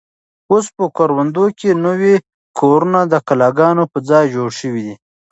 اوس په کروندو کې نوي کورونه د کلاګانو په ځای جوړ شوي دي.